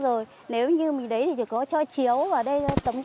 đúng rồi đấy